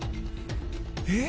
えっ？